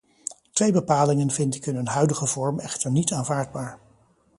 Twee bepalingen vind ik in hun huidige vorm echter niet aanvaardbaar.